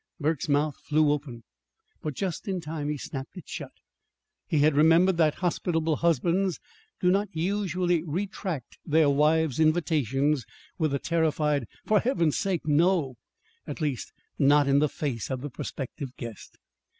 Burke's mouth flew open but just in time he snapped it shut. He had remembered that hospitable husbands do not usually retract their wives' invitations with a terrified "For Heaven's sake, no!" at least, not in the face of the prospective guest.